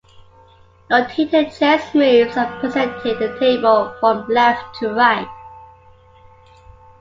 Notated chess moves are presented in the table from left to right.